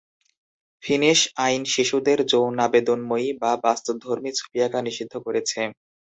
Finish আইন শিশুদের যৌনাবেদনময়ী বা বাস্তবধর্মী ছবি আঁকা নিষিদ্ধ করেছে।